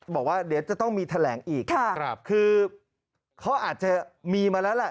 บอกว่าเดี๋ยวจะต้องมีแถลงอีกคือเขาอาจจะมีมาแล้วแหละ